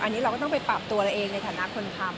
อันนี้เราก็ต้องไปปรับตัวเราเองในฐานะคนทำ